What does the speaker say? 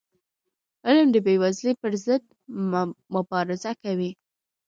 علم د بېوزلی پر ضد مبارزه کوي.